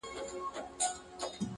د ژوندون نور وړی دی اوس په مدعا يمه زه،